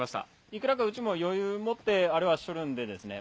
いくらかうちも余裕持ってあれはしよるんでですね